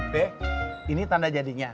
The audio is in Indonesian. be ini tanda jadinya